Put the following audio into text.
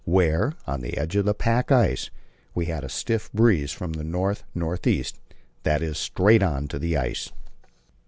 where, on the edge of the pack ice, we had a stiff breeze from the north north east, that is, straight on to the ice.